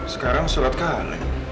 sekarang surat kaleng